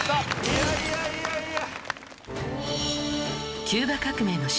いやいやいやいや。